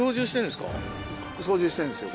操縦してるんですよ